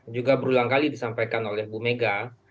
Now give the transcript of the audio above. juga berulang kali disampaikan oleh bumega